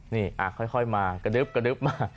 นี่ค่อยมากระดึ๊บมา